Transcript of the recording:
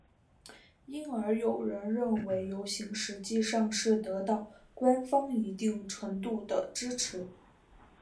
因而有人认为游行实际上是得到官方一定程度的支持。